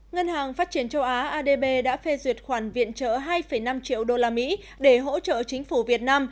ngân hàng phát triển châu á adb đã phê duyệt khoản viện trợ hai năm triệu usd để hỗ trợ chính phủ việt nam